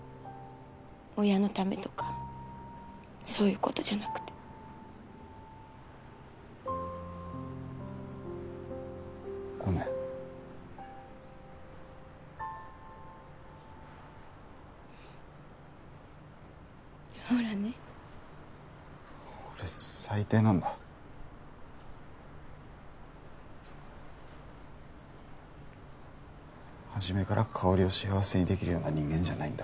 親のためとかそういうことじゃなくてごめんほらね俺最低なんだ初めから香織を幸せにできるような人間じゃないんだ